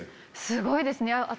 すごいですね！